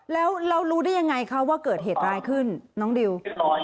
แล้วเรารู้ได้ยังไงคะว่าเกิดเหตุร้ายขึ้นน้องดิว